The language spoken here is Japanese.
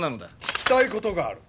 聞きたいことがある。